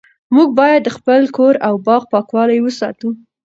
موږ باید د خپل کور او باغ پاکوالی وساتو